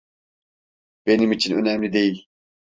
Benim için önemli değil.